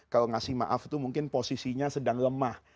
kalau ngasih maaf itu mungkin posisinya sedang lemah